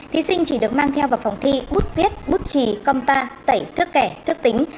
thí sinh chỉ được mang theo vào phòng thi bút viết bút trì công ta tẩy thước kẻ thước tính